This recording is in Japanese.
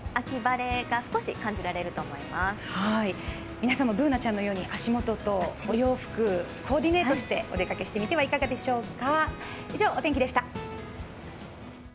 皆さんもＢｏｏｎａちゃんのように足元とお洋服、コーディネートしてお出かけしてみてはいかがでしょうか。